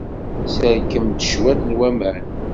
Sserkem-d cwiṭ n waman.